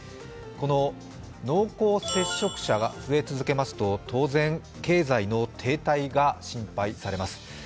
この濃厚接触者が増え続けますと当然、経済の停滞が心配されます。